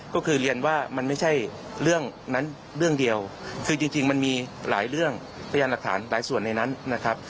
ก็คือเรียนว่ามันไม่ใช่เรื่องนั้นเรื่องเดียวคือจริงมันมีหลายเรื่องพยานหลักฐานหลายส่วนในนั้นนะครับ